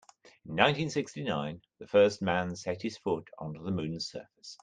In nineteen-sixty-nine the first man set his foot onto the moon's surface.